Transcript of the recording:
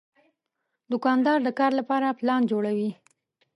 دوکاندار د کار لپاره پلان جوړوي.